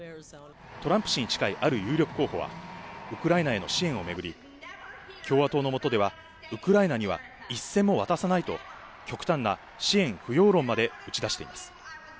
トランプ氏に近いある有力候補はウクライナへの支援をめぐり、共和党の下ではウクライナには一銭も渡さないと、極端な支援不要論まで打ち出しています。